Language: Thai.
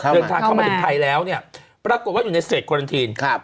เข้ามาเข้ามาติดท้ายแล้วเนี่ยปรากฏว่าอยู่ในสเตรดควารันทีนครับ